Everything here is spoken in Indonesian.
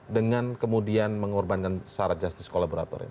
dengan kemudian mengorbankan syarat justice kolaborator